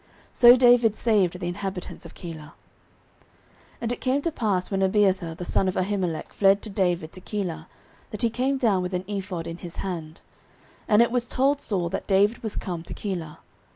So David saved the inhabitants of Keilah. 09:023:006 And it came to pass, when Abiathar the son of Ahimelech fled to David to Keilah, that he came down with an ephod in his hand. 09:023:007 And it was told Saul that David was come to Keilah.